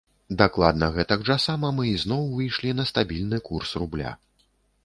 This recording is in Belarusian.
Дакладна гэтак жа сама мы ізноў выйшлі на стабільны курс рубля.